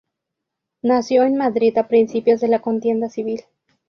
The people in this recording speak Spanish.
Nació en Madrid a principios de la contienda civil.